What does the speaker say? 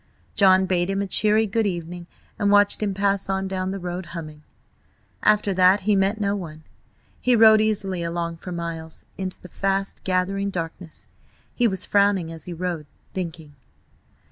John bade him a cheery good evening and watched him pass on down the road humming. After that he met no one. He rode easily along for miles, into the fast gathering darkness He was frowning as he rode, thinking.